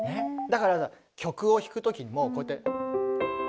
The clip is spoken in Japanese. だからさ曲を弾く時にもこうやって。